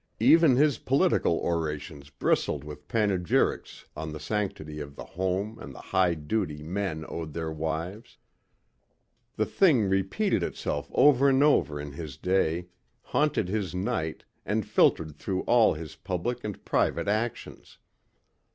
Even his political orations bristled with panegyrics on the sanctity of the home and the high duty men owed their wives. The thing repeated itself over and over in his day, haunted his night and filtered through all his public and private actions.